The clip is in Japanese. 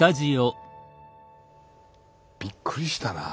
びっくりしたなぁ。